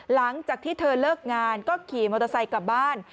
หลังจากที่เธอเลิกงานก็ขี่มอเตอร์ไซค์กลับบ้าน